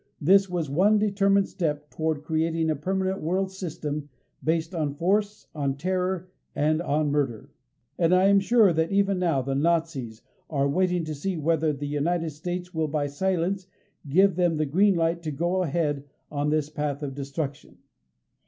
This was one determined step towards creating a permanent world system based on force, on terror and on murder. And I am sure that even now the Nazis are waiting to see whether the United States will by silence give them the green light to go ahead on this path of destruction.